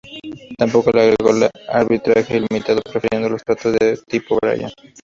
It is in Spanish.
Tampoco le agradó el arbitraje ilimitado, prefiriendo los tratados de tipo Bryan.